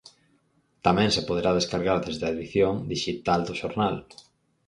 Tamén se poderá descargar desde a edición dixital do xornal.